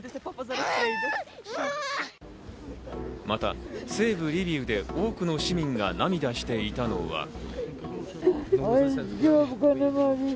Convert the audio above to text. また、西部リビウで多くの市民が涙していたのは。